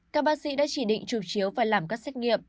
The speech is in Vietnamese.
các bác sĩ đã chỉ định trục chiếu và làm các xét nghiệm